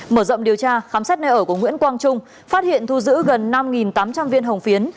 mở rộng điều tra khám xét nơi ở của nguyễn quang trung phát hiện thu giữ gần năm tám trăm linh viên hồng phiến